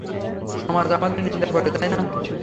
সমাজ আপনাদের নিন্দা করে, তাই না?